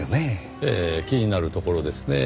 ええ気になるところですねぇ。